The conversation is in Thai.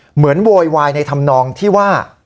เหมือนโวยวายในธำนองที่ว่า